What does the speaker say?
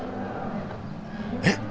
えっ！